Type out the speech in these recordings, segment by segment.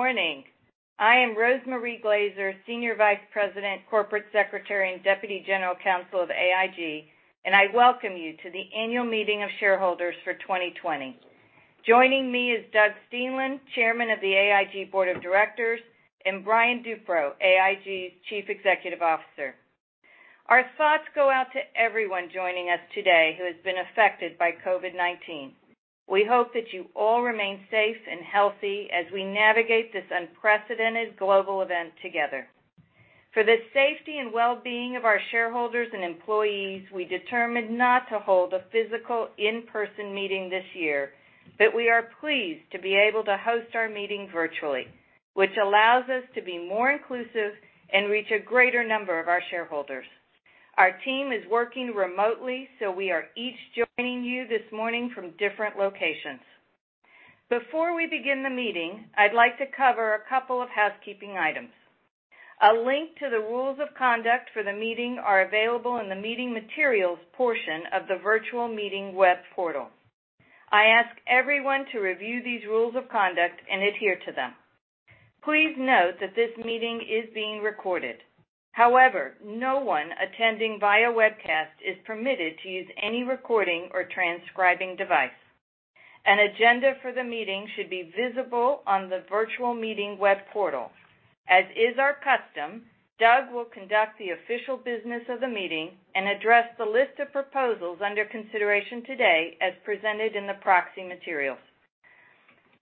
Morning. I am Rose Marie Glazer, Senior Vice President, Corporate Secretary, and Deputy General Counsel of AIG. I welcome you to the Annual Meeting of Shareholders for 2020. Joining me is Doug Steenland, Chairman of the AIG Board of Directors, and Brian Duperreault, AIG's Chief Executive Officer. Our thoughts go out to everyone joining us today who has been affected by COVID-19. We hope that you all remain safe and healthy as we navigate this unprecedented global event together. For the safety and wellbeing of our shareholders and employees, we determined not to hold a physical in-person meeting this year. We are pleased to be able to host our meeting virtually, which allows us to be more inclusive and reach a greater number of our shareholders. Our team is working remotely. We are each joining you this morning from different locations. Before we begin the meeting, I'd like to cover a couple of housekeeping items. A link to the rules of conduct for the meeting are available in the meeting materials portion of the virtual meeting web portal. I ask everyone to review these rules of conduct and adhere to them. Please note that this meeting is being recorded. However, no one attending via webcast is permitted to use any recording or transcribing device. An agenda for the meeting should be visible on the virtual meeting web portal. As is our custom, Doug will conduct the official business of the meeting and address the list of proposals under consideration today as presented in the proxy materials.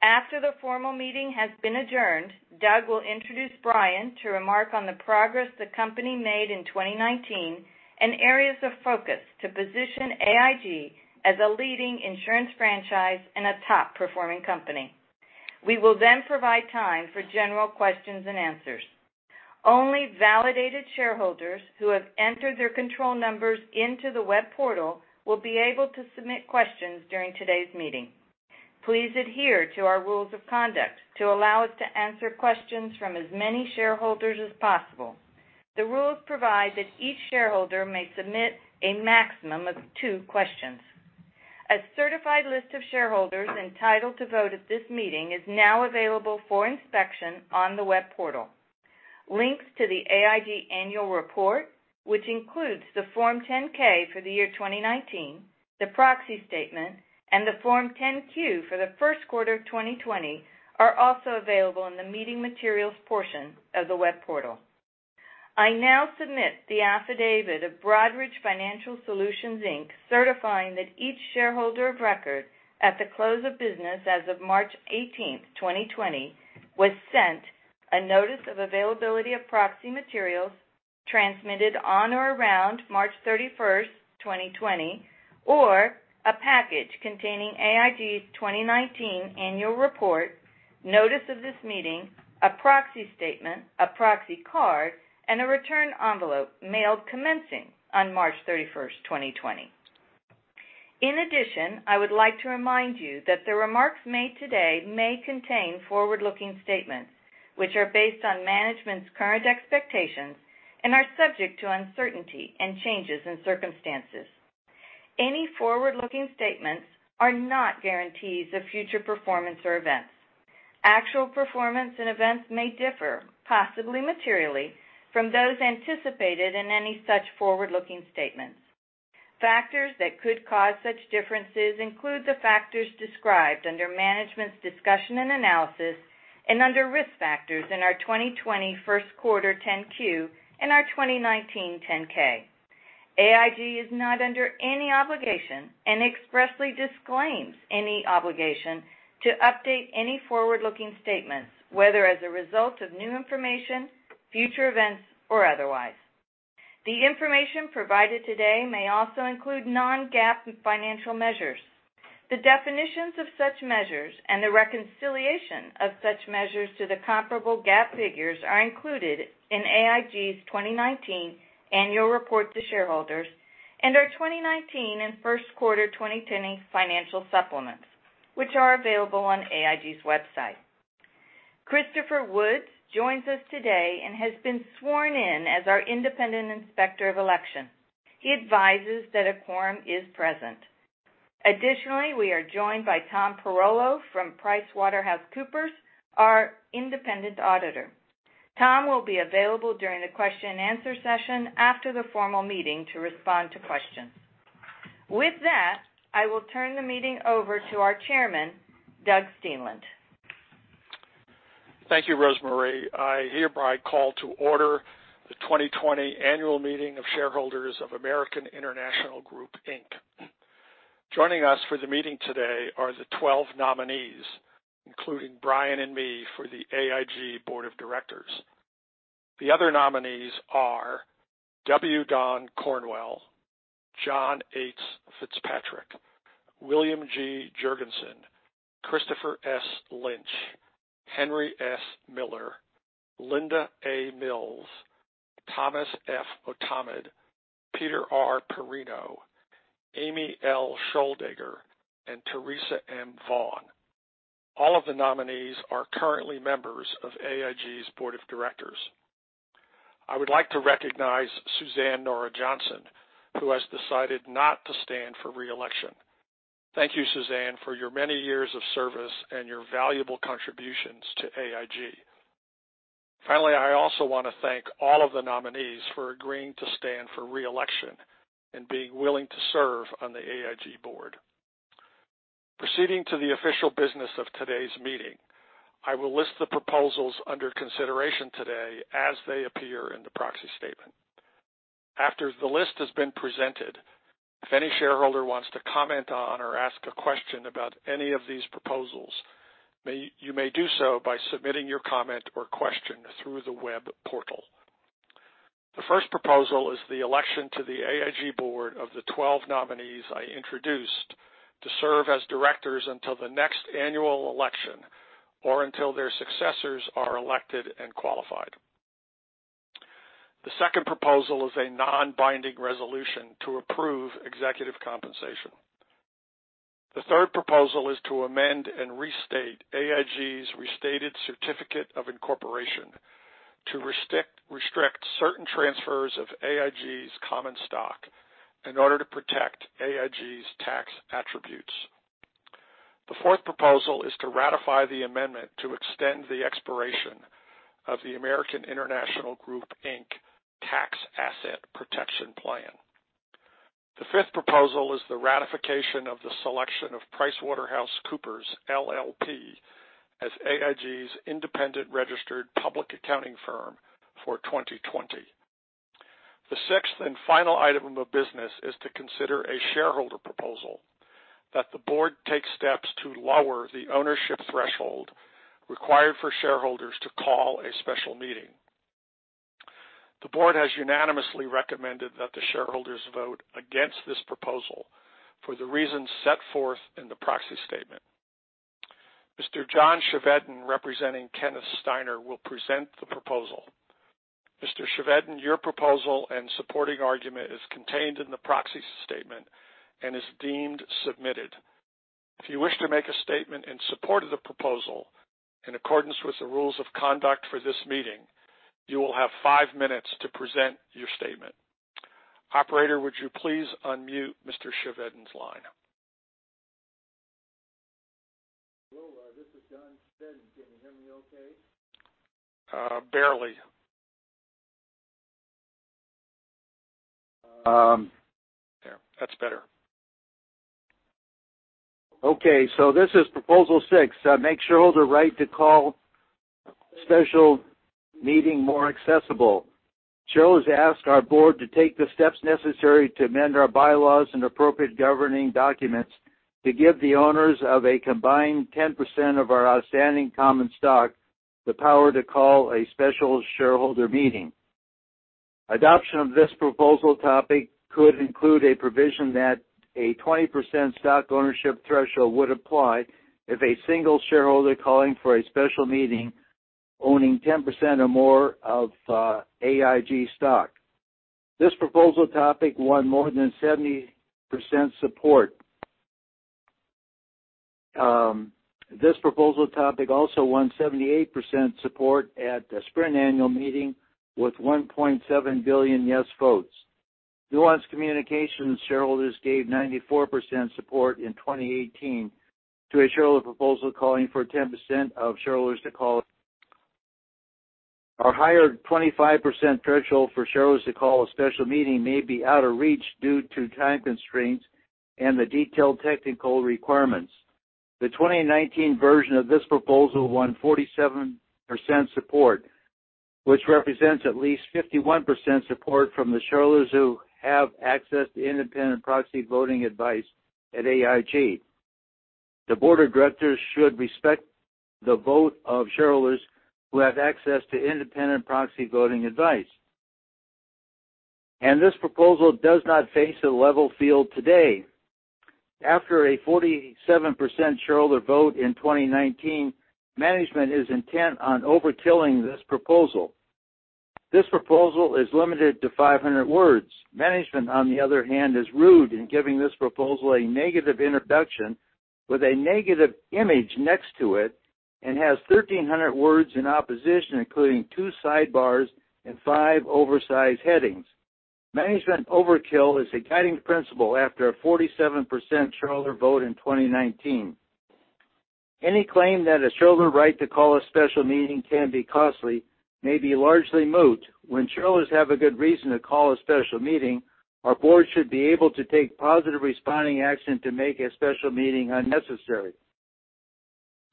After the formal meeting has been adjourned, Doug will introduce Brian to remark on the progress the company made in 2019 and areas of focus to position AIG as a leading insurance franchise and a top-performing company. We will then provide time for general questions and answers. Only validated shareholders who have entered their control numbers into the web portal will be able to submit questions during today's meeting. Please adhere to our rules of conduct to allow us to answer questions from as many shareholders as possible. The rules provide that each shareholder may submit a maximum of two questions. A certified list of shareholders entitled to vote at this meeting is now available for inspection on the web portal. Links to the AIG annual report, which includes the Form 10-K for the year 2019, the proxy statement, and the Form 10-Q for the first quarter of 2020, are also available in the meeting materials portion of the web portal. I now submit the affidavit of Broadridge Financial Solutions, Inc., certifying that each shareholder of record at the close of business as of March 18th, 2020, was sent a notice of availability of proxy materials transmitted on or around March 31st, 2020, or a package containing AIG's 2019 annual report, notice of this meeting, a proxy statement, a proxy card, and a return envelope mailed commencing on March 31st, 2020. In addition, I would like to remind you that the remarks made today may contain forward-looking statements, which are based on management's current expectations and are subject to uncertainty and changes in circumstances. Any forward-looking statements are not guarantees of future performance or events. Actual performance and events may differ, possibly materially, from those anticipated in any such forward-looking statements. Factors that could cause such differences include the factors described under Management's Discussion and Analysis and under Risk Factors in our 2020 first quarter 10-Q and our 2019 10-K. AIG is not under any obligation and expressly disclaims any obligation to update any forward-looking statements, whether as a result of new information, future events, or otherwise. The information provided today may also include non-GAAP financial measures. The definitions of such measures and the reconciliation of such measures to the comparable GAAP figures are included in AIG's 2019 annual report to shareholders and our 2019 and first quarter 2020 financial supplements, which are available on AIG's website. Christopher Woods joins us today and has been sworn in as our independent inspector of election. He advises that a quorum is present. Additionally, we are joined by Tom Pirollo from PricewaterhouseCoopers, our independent auditor. Tom will be available during the question and answer session after the formal meeting to respond to questions. With that, I will turn the meeting over to our Chairman, Doug Steenland. Thank you, Rose Marie. I hereby call to order the 2020 annual meeting of shareholders of American International Group, Inc. Joining us for the meeting today are the 12 nominees, including Brian and me for the AIG Board of Directors. The other nominees are W. Don Cornwell, John H. Fitzpatrick, William G. Jurgensen, Christopher S. Lynch, Henry S. Miller, Linda A. Mills, Thomas F. Motamed, Peter R. Porrino, Amy L. Schioldager, and Therese M. Vaughan. All of the nominees are currently members of AIG's Board of Directors. I would like to recognize Suzanne Nora Johnson, who has decided not to stand for re-election. Thank you, Suzanne, for your many years of service and your valuable contributions to AIG. Finally, I also want to thank all of the nominees for agreeing to stand for re-election and being willing to serve on the AIG board. Proceeding to the official business of today's meeting, I will list the proposals under consideration today as they appear in the proxy statement. After the list has been presented, if any shareholder wants to comment on or ask a question about any of these proposals, you may do so by submitting your comment or question through the web portal. The first proposal is the election to the AIG Board of the 12 nominees I introduced to serve as directors until the next annual election or until their successors are elected and qualified. The second proposal is a non-binding resolution to approve executive compensation. The third proposal is to amend and restate AIG's Restated Certificate of Incorporation to restrict certain transfers of AIG's common stock in order to protect AIG's tax attributes. The fourth proposal is to ratify the amendment to extend the expiration of the American International Group, Inc., Tax Asset Protection Plan. The fifth proposal is the ratification of the selection of PricewaterhouseCoopers, LLP, as AIG's independent registered public accounting firm for 2020. The sixth and final item of business is to consider a shareholder proposal that the board take steps to lower the ownership threshold required for shareholders to call a special meeting. The board has unanimously recommended that the shareholders vote against this proposal for the reasons set forth in the proxy statement. Mr. John Chevedden, representing Kenneth Steiner, will present the proposal. Mr. Chevedden, your proposal and supporting argument is contained in the proxy statement and is deemed submitted. If you wish to make a statement in support of the proposal, in accordance with the rules of conduct for this meeting, you will have five minutes to present your statement. Operator, would you please unmute Mr. Chevedden's line? Hello, this is John Chevedden. Can you hear me okay? Barely. There. That's better. This is proposal six, make shareholder right to call special meeting more accessible. Shareholders ask our board to take the steps necessary to amend our bylaws and appropriate governing documents to give the owners of a combined 10% of our outstanding common stock the power to call a special shareholder meeting. Adoption of this proposal topic could include a provision that a 20% stock ownership threshold would apply if a single shareholder calling for a special meeting owning 10% or more of AIG stock. This proposal topic won more than 70% support. This proposal topic also won 78% support at the Spring Annual Meeting with 1.7 billion yes votes. Nuance Communications shareholders gave 94% support in 2018 to a shareholder proposal calling for 10% of shareholders to call. Our higher 25% threshold for shareholders to call a special meeting may be out of reach due to time constraints and the detailed technical requirements. The 2019 version of this proposal won 47% support, which represents at least 51% support from the shareholders who have access to independent proxy voting advice at AIG. The board of directors should respect the vote of shareholders who have access to independent proxy voting advice. This proposal does not face a level field today. After a 47% shareholder vote in 2019, management is intent on overkilling this proposal. This proposal is limited to 500 words. Management, on the other hand, is rude in giving this proposal a negative introduction with a negative image next to it and has 1,300 words in opposition, including two sidebars and five oversized headings. Management overkill is a guiding principle after a 47% shareholder vote in 2019. Any claim that a shareholder right to call a special meeting can be costly may be largely moot. When shareholders have a good reason to call a special meeting, our board should be able to take positive responding action to make a special meeting unnecessary.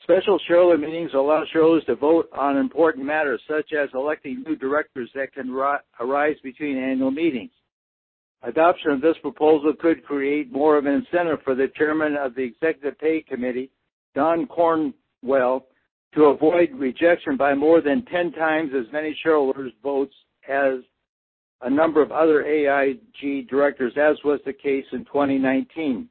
Special shareholder meetings allow shareholders to vote on important matters such as electing new directors that can arise between annual meetings. Adoption of this proposal could create more of an incentive for the chairman of the Executive Pay Committee, Don Cornwell, to avoid rejection by more than 10 times as many shareholders' votes as a number of other AIG directors, as was the case in 2019.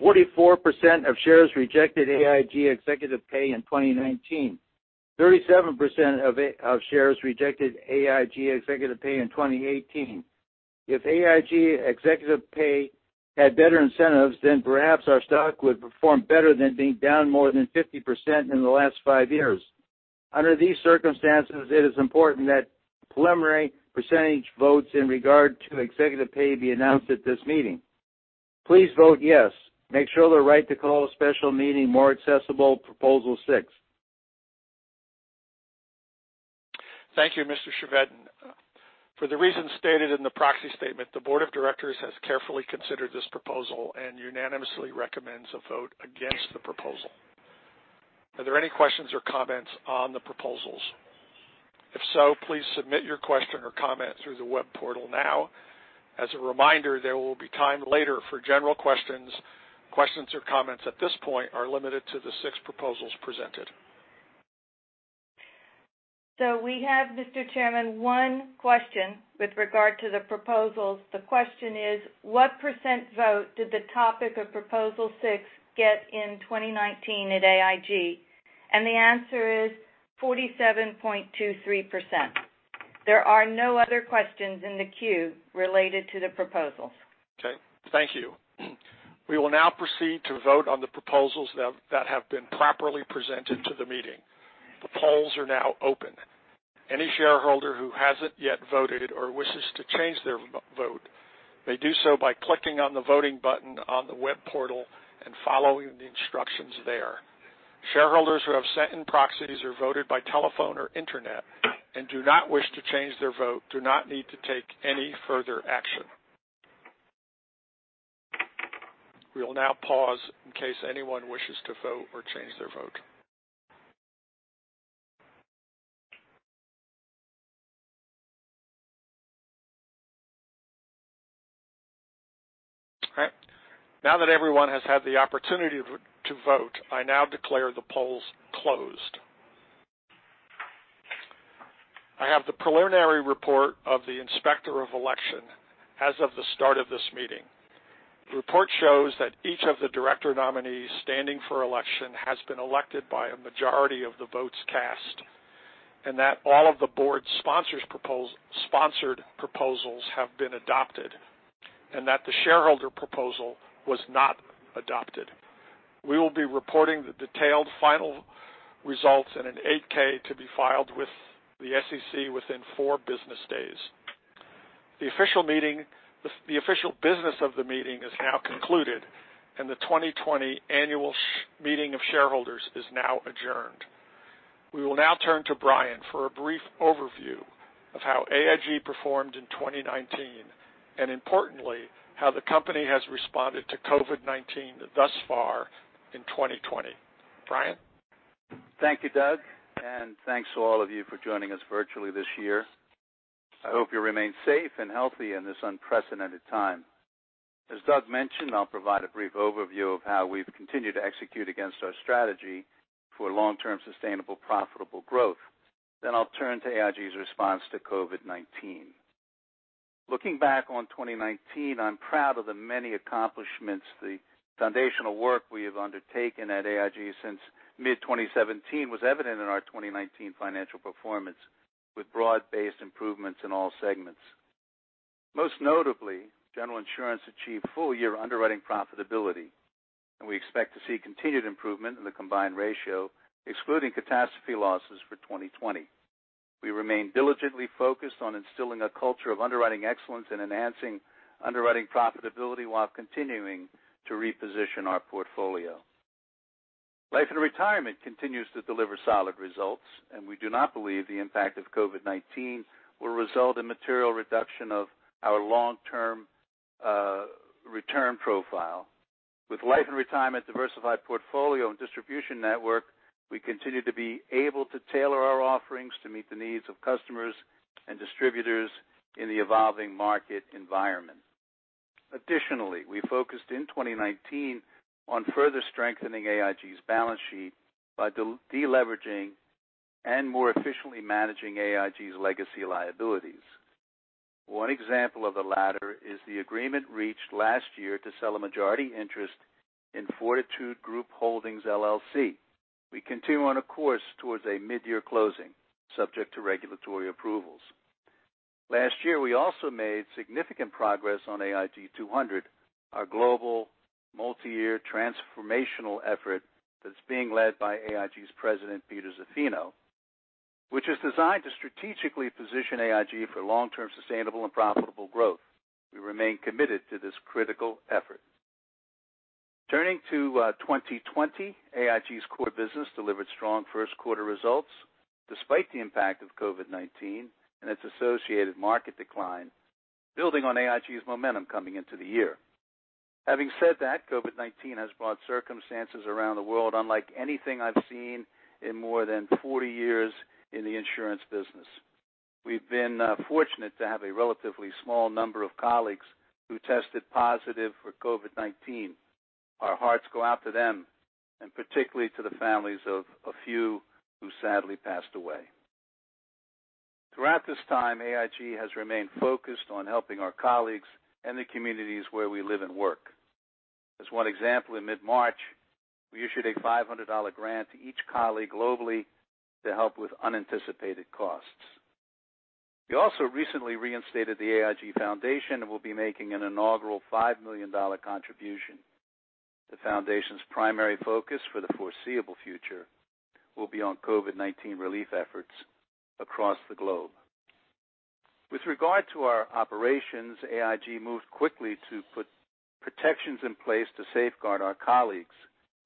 44% of shares rejected AIG executive pay in 2019. 37% of shares rejected AIG executive pay in 2018. If AIG executive pay had better incentives, then perhaps our stock would perform better than being down more than 50% in the last five years. Under these circumstances, it is important that preliminary percentage votes in regard to executive pay be announced at this meeting. Please vote yes. Make sure the right to call a special meeting more accessible, proposal six. Thank you, Mr. Chevedden. For the reasons stated in the proxy statement, the board of directors has carefully considered this proposal and unanimously recommends a vote against the proposal. Are there any questions or comments on the proposals? If so, please submit your question or comment through the web portal now. As a reminder, there will be time later for general questions. Questions or comments at this point are limited to the six proposals presented. We have, Mr. Chairman, one question with regard to the proposals. The question is, what percent vote did the topic of proposal six get in 2019 at AIG? The answer is 47.23%. There are no other questions in the queue related to the proposals. Okay, thank you. We will now proceed to vote on the proposals that have been properly presented to the meeting. The polls are now open. Any shareholder who hasn't yet voted or wishes to change their vote, may do so by clicking on the voting button on the web portal and following the instructions there. Shareholders who have sent in proxies or voted by telephone or internet and do not wish to change their vote, do not need to take any further action. We will now pause in case anyone wishes to vote or change their vote. All right. Now that everyone has had the opportunity to vote, I now declare the polls closed. I have the preliminary report of the Inspector of Election as of the start of this meeting. The report shows that each of the director nominees standing for election has been elected by a majority of the votes cast, and that all of the board's sponsored proposals have been adopted, and that the shareholder proposal was not adopted. We will be reporting the detailed final results in an 8-K to be filed with the SEC within four business days. The official business of the meeting is now concluded, and the 2020 Annual Meeting of Shareholders is now adjourned. We will now turn to Brian for a brief overview of how AIG performed in 2019, and importantly, how the company has responded to COVID-19 thus far in 2020. Brian? Thank you, Doug. Thanks to all of you for joining us virtually this year. I hope you remain safe and healthy in this unprecedented time. As Doug mentioned, I'll provide a brief overview of how we've continued to execute against our strategy for long-term sustainable, profitable growth. I'll turn to AIG's response to COVID-19. Looking back on 2019, I'm proud of the many accomplishments. The foundational work we have undertaken at AIG since mid-2017 was evident in our 2019 financial performance, with broad-based improvements in all segments. Most notably, General Insurance achieved full-year underwriting profitability, and we expect to see continued improvement in the combined ratio, excluding catastrophe losses for 2020. We remain diligently focused on instilling a culture of underwriting excellence and enhancing underwriting profitability while continuing to reposition our portfolio. Life and Retirement continues to deliver solid results, and we do not believe the impact of COVID-19 will result in material reduction of our long-term return profile. With Life and Retirement diversified portfolio and distribution network, we continue to be able to tailor our offerings to meet the needs of customers and distributors in the evolving market environment. Additionally, we focused in 2019 on further strengthening AIG's balance sheet by de-leveraging and more efficiently managing AIG's legacy liabilities. One example of the latter is the agreement reached last year to sell a majority interest in Fortitude Group Holdings, LLC. We continue on a course towards a midyear closing, subject to regulatory approvals. Last year, we also made significant progress on AIG 200, our global multi-year transformational effort that's being led by AIG's President, Peter Zaffino, which is designed to strategically position AIG for long-term sustainable and profitable growth. We remain committed to this critical effort. Turning to 2020, AIG's core business delivered strong first quarter results despite the impact of COVID-19 and its associated market decline, building on AIG's momentum coming into the year. Having said that, COVID-19 has brought circumstances around the world unlike anything I've seen in more than 40 years in the insurance business. We've been fortunate to have a relatively small number of colleagues who tested positive for COVID-19. Our hearts go out to them, and particularly to the families of a few who sadly passed away. Throughout this time, AIG has remained focused on helping our colleagues and the communities where we live and work. As one example, in mid-March, we issued a $500 grant to each colleague globally to help with unanticipated costs. We also recently reinstated the AIG Foundation and will be making an inaugural $5 million contribution. The foundation's primary focus for the foreseeable future will be on COVID-19 relief efforts across the globe. With regard to our operations, AIG moved quickly to put protections in place to safeguard our colleagues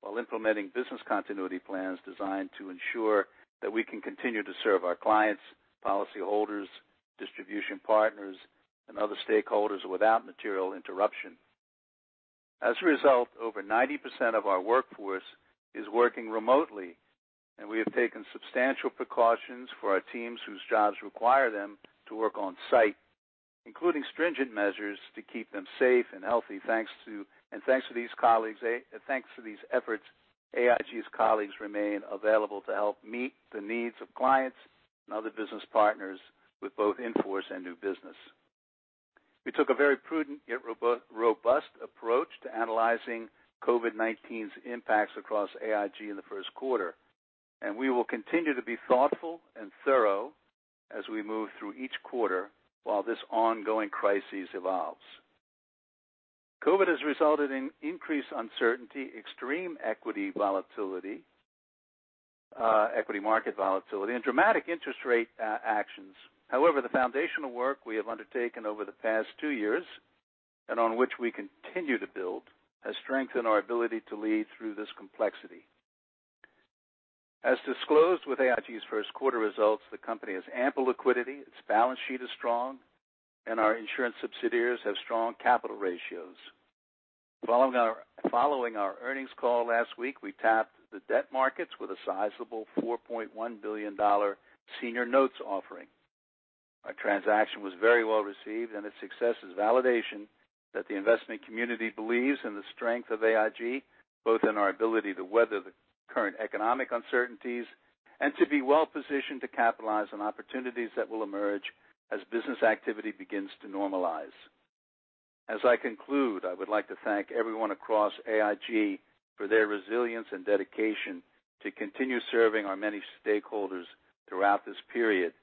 while implementing business continuity plans designed to ensure that we can continue to serve our clients, policyholders, distribution partners, and other stakeholders without material interruption. As a result, over 90% of our workforce is working remotely, and we have taken substantial precautions for our teams whose jobs require them to work on-site, including stringent measures to keep them safe and healthy. Thanks to these efforts, AIG's colleagues remain available to help meet the needs of clients and other business partners with both in-force and new business. We took a very prudent yet robust approach to analyzing COVID-19's impacts across AIG in the first quarter, and we will continue to be thoughtful and thorough as we move through each quarter while this ongoing crisis evolves. COVID has resulted in increased uncertainty, extreme equity market volatility, and dramatic interest rate actions. However, the foundational work we have undertaken over the past two years, and on which we continue to build, has strengthened our ability to lead through this complexity. As disclosed with AIG's first quarter results, the company has ample liquidity, its balance sheet is strong, and our insurance subsidiaries have strong capital ratios. Following our earnings call last week, we tapped the debt markets with a sizable $4.1 billion senior notes offering. Our transaction was very well received, and its success is validation that the investment community believes in the strength of AIG, both in our ability to weather the current economic uncertainties and to be well-positioned to capitalize on opportunities that will emerge as business activity begins to normalize. As I conclude, I would like to thank everyone across AIG for their resilience and dedication to continue serving our many stakeholders throughout this period,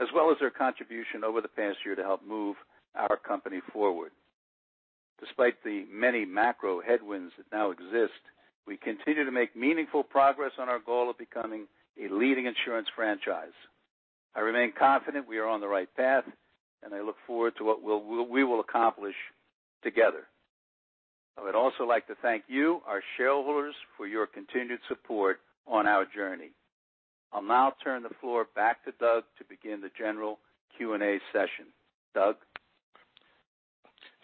as well as their contribution over the past year to help move our company forward. Despite the many macro headwinds that now exist, we continue to make meaningful progress on our goal of becoming a leading insurance franchise. I remain confident we are on the right path, and I look forward to what we will accomplish together. I would also like to thank you, our shareholders, for your continued support on our journey. I'll now turn the floor back to Doug to begin the general Q&A session. Doug?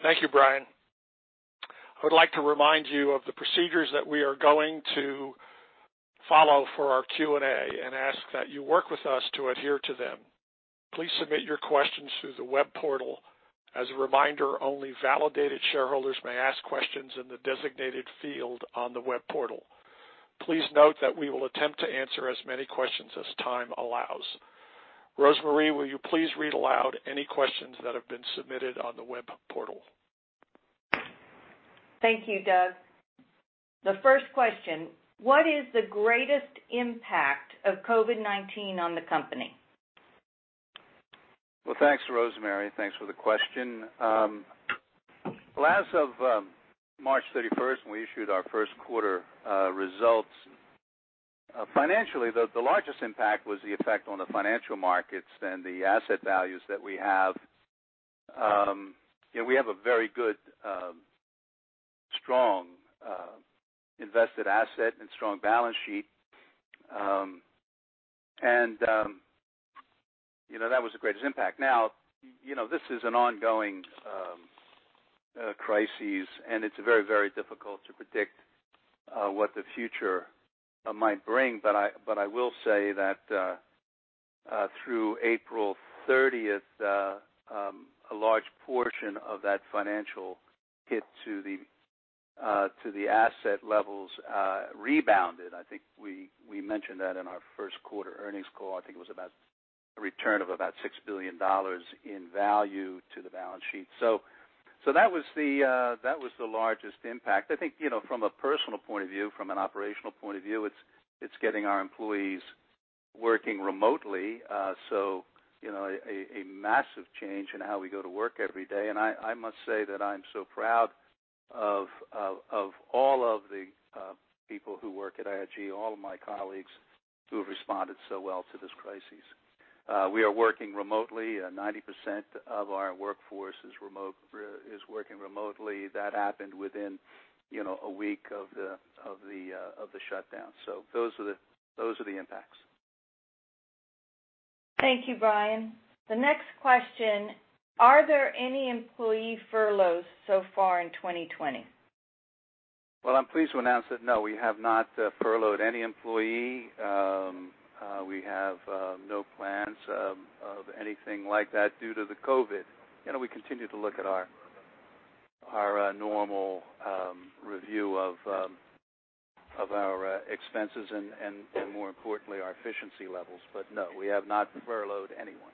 Thank you, Brian. I would like to remind you of the procedures that we are going to follow for our Q&A and ask that you work with us to adhere to them. Please submit your questions through the web portal. As a reminder, only validated shareholders may ask questions in the designated field on the web portal. Please note that we will attempt to answer as many questions as time allows. Rose Marie, will you please read aloud any questions that have been submitted on the web portal? Thank you, Doug. The first question, what is the greatest impact of COVID-19 on the company? Well, thanks, Rose Marie. Thanks for the question. As of March 31st, when we issued our first quarter results, financially, the largest impact was the effect on the financial markets and the asset values that we have. We have a very good, strong invested asset and strong balance sheet. That was the greatest impact. Now, this is an ongoing crisis, and it's very difficult to predict what the future might bring. I will say that through April 30th, a large portion of that financial hit to the asset levels rebounded. I think we mentioned that in our first quarter earnings call. I think it was a return of about $6 billion in value to the balance sheet. That was the largest impact. I think from a personal point of view, from an operational point of view, it's getting our employees working remotely. A massive change in how we go to work every day. I must say that I'm so proud of all of the people who work at AIG, all of my colleagues who have responded so well to this crisis. We are working remotely. 90% of our workforce is working remotely. That happened within a week of the shutdown. Those are the impacts. Thank you, Brian. The next question, are there any employee furloughs so far in 2020? Well, I'm pleased to announce that no, we have not furloughed any employee. We have no plans of anything like that due to the COVID. We continue to look at our normal review of our expenses and more importantly, our efficiency levels. No, we have not furloughed anyone.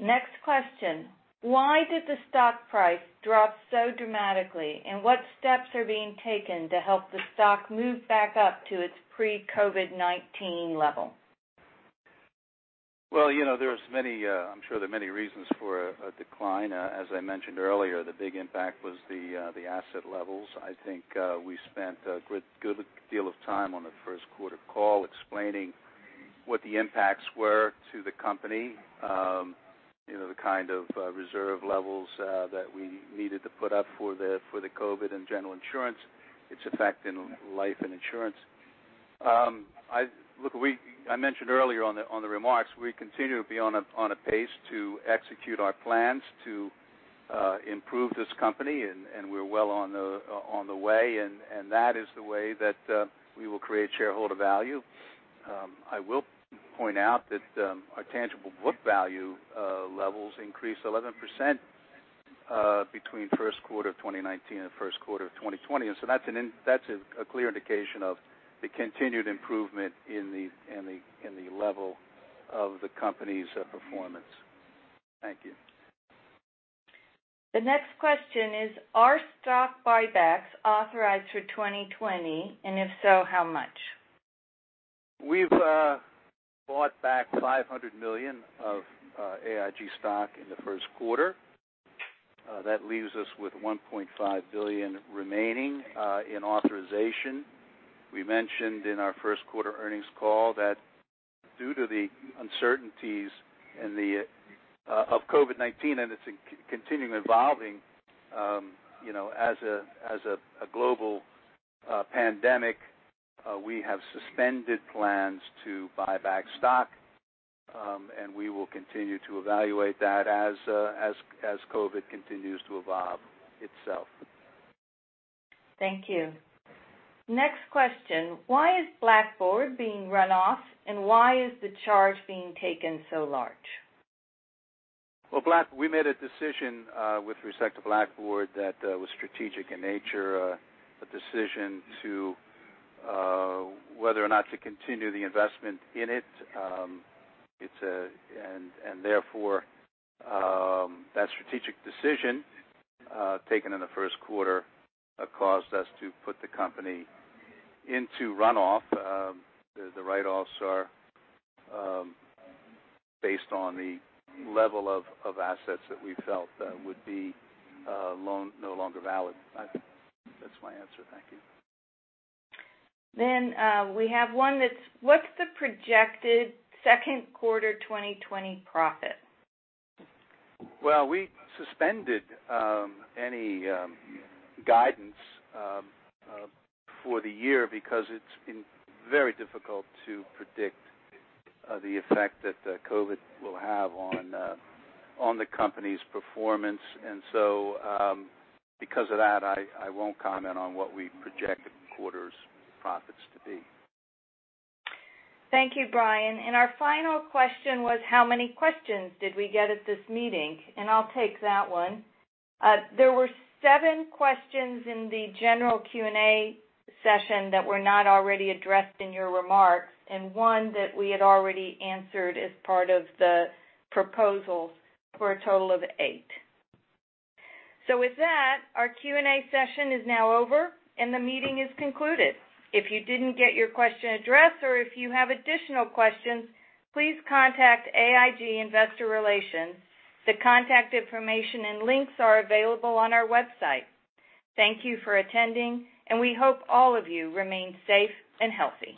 Next question: why did the stock price drop so dramatically, and what steps are being taken to help the stock move back up to its pre-COVID-19 level? Well, I'm sure there are many reasons for a decline. As I mentioned earlier, the big impact was the asset levels. I think we spent a good deal of time on the first quarter call explaining what the impacts were to the company, the kind of reserve levels that we needed to put up for the COVID-19 and General Insurance, its effect in Life and Retirement. Look, I mentioned earlier on the remarks, we continue to be on a pace to execute our plans to improve this company, and we're well on the way, and that is the way that we will create shareholder value. I will point out that our tangible book value levels increased 11% between first quarter of 2019 and first quarter of 2020, and so that's a clear indication of the continued improvement in the level of the company's performance. Thank you. The next question is, are stock buybacks authorized through 2020, and if so, how much? We've bought back $500 million of AIG stock in the first quarter. That leaves us with $1.5 billion remaining in authorization. We mentioned in our first quarter earnings call that due to the uncertainties of COVID-19 and its continuing evolving, as a global pandemic, we have suspended plans to buy back stock, and we will continue to evaluate that as COVID continues to evolve itself. Thank you. Next question: why is Blackboard being run off, and why is the charge being taken so large? Well, we made a decision with respect to Blackboard that was strategic in nature, a decision whether or not to continue the investment in it. That strategic decision, taken in the first quarter, caused us to put the company into runoff. The write-offs are based on the level of assets that we felt would be no longer valid. I think that's my answer. Thank you. We have one that's: what's the projected second quarter 2020 profit? Well, we suspended any guidance for the year because it's been very difficult to predict the effect that COVID will have on the company's performance. Because of that, I won't comment on what we project the quarter's profits to be. Thank you, Brian. Our final question was how many questions did we get at this meeting? I'll take that one. There were seven questions in the general Q&A session that were not already addressed in your remarks and one that we had already answered as part of the proposals, for a total of eight. With that, our Q&A session is now over, and the meeting is concluded. If you didn't get your question addressed or if you have additional questions, please contact AIG Investor Relations. The contact information and links are available on our website. Thank you for attending, and we hope all of you remain safe and healthy.